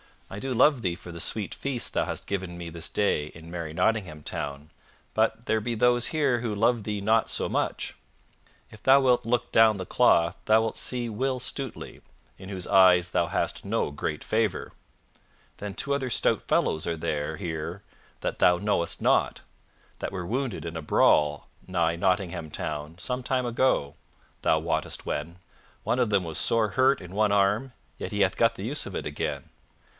I do love thee for the sweet feast thou hast given me this day in merry Nottingham Town; but there be those here who love thee not so much. If thou wilt look down the cloth thou wilt see Will Stutely, in whose eyes thou hast no great favor; then two other stout fellows are there here that thou knowest not, that were wounded in a brawl nigh Nottingham Town, some time ago thou wottest when; one of them was sore hurt in one arm, yet he hath got the use of it again.